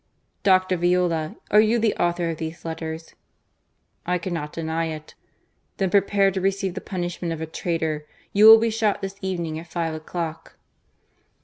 " Dr. Viola, are you the author of these letters ?'^" I cannot deny it." " Then prepare to receive the punishment of a traitor. You will be shot this evening at five o'clock."